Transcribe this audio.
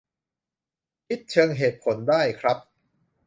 คิดเชิงเหตุผลได้ครับ